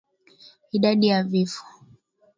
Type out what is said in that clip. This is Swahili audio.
Idadi ya Vifo